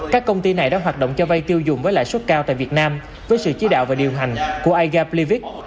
các công ty này đã hoạt động cho vay tiêu dùng với lãi suất cao tại việt nam với sự chí đạo và điều hành của iga plevic